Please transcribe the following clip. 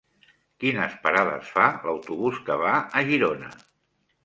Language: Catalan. Quines parades fa l'autobús que va a Girona?